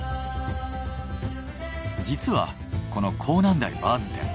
実はこの港南台バーズ店。